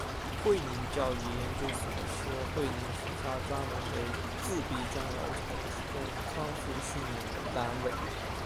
慧灵教育研究所是慧灵属下专门为自闭症儿童提供康复训练的单位。